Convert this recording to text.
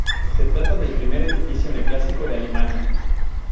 Se trata del primer edificio neoclásico de Alemania.